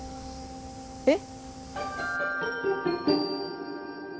えっ？